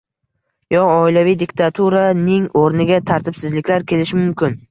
Yo'q "Oilaviy diktatura" ning o'rniga tartibsizliklar kelishi mumkin